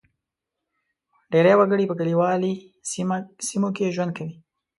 ډېری وګړي په کلیوالي سیمو کې ژوند کوي.